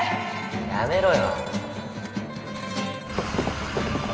やめろよ